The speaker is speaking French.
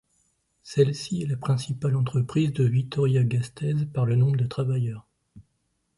Celle-ci est la principale entreprise de Vitoria-Gasteiz par le nombre de travailleurs.